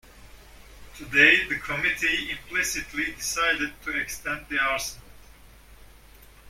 Today the committee implicitly decided to extend the arsenal.